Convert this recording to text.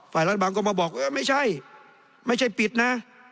ฝ่ายรัฐบาลก็มาบอกเออไม่ใช่ไม่ใช่ปิดนะ